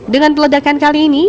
dengan peledakan kali ini